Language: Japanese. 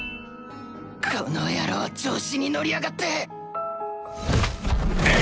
この野郎調子に乗りやがって！